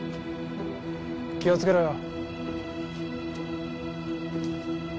気をつけろよ。